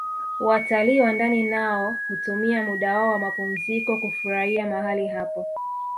Watalii wa ndani nao hutumia muda wao wa mapumziko kufurahia mahali hapo